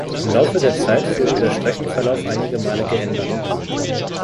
Im Laufe der Zeit wurde der Streckenverlauf einige Male geändert.